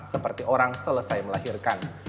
seperti orang selesai melahirkan